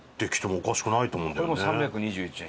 これも３２１円。